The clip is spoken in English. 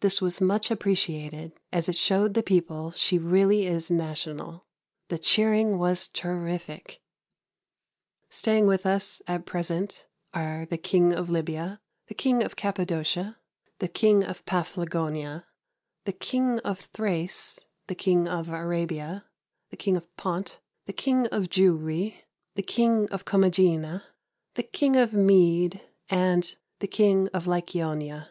This was much appreciated, as it showed the people she really is national. The cheering was terrific. Staying with us at present are the King of Libya, the King of Cappadocia, the King of Paphlagonia, the King of Thrace, the King of Arabia, the King of Pont, the King of Jewry, the King of Comagena, the King of Mede, and the King of Lycaonia.